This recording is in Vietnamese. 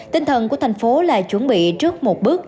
tinh thần của thành phố là chuẩn bị trước một bước